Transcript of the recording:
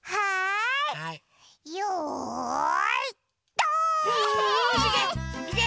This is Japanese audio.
いけ！